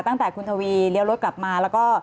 ตั้งแต่คุณทวีเลี้ยวรถกลับมาแล้วก็